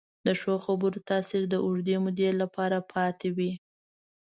د ښو خبرو تاثیر د اوږدې مودې لپاره پاتې وي.